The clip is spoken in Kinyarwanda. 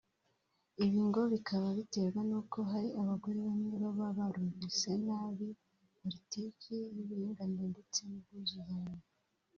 Ibi ngo bikaba biterwa nuko hari abagore bamwe baba barumvise nabi politiki y’uburinganire ndetse n’ubwuzuzanye